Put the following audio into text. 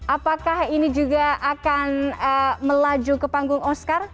apakah ini juga akan melaju ke panggung oscar